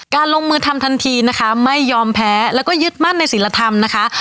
ลงมือทำทันทีนะคะไม่ยอมแพ้แล้วก็ยึดมั่นในศิลธรรมนะคะ